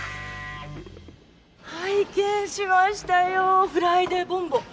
拝見しましたよ「フライデーボンボン」。